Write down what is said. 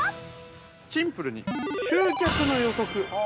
◆シンプルに、集客の予測。